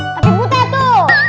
tapi butet tuh